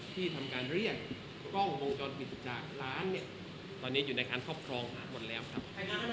ที่ทำการเรียกกล้องวงจรปิดจากร้านเนี่ยตอนนี้อยู่ในการครอบครองหมดแล้วครับ